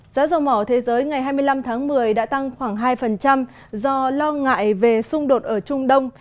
giá dầu mỏ thế giới ngày hai mươi năm tháng một mươi đã tăng khoảng hai do lo ngại về xung đột ở trung đông